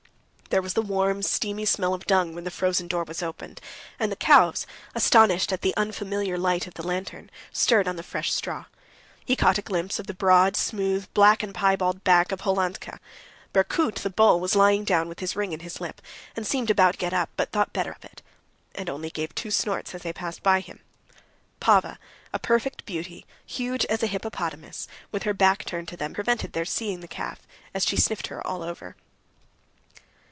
There was the warm, steamy smell of dung when the frozen door was opened, and the cows, astonished at the unfamiliar light of the lantern, stirred on the fresh straw. He caught a glimpse of the broad, smooth, black and piebald back of Hollandka. Berkoot, the bull, was lying down with his ring in his lip, and seemed about to get up, but thought better of it, and only gave two snorts as they passed by him. Pava, a perfect beauty, huge as a hippopotamus, with her back turned to them, prevented their seeing the calf, as she sniffed her all over.